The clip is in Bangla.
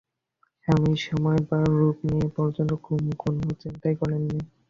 স্বামীর বয়স বা রূপ নিয়ে এ পর্যন্ত কুমু কোনো চিন্তাই করে নি।